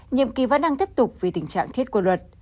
nhiệm kỳ vẫn đang tiếp tục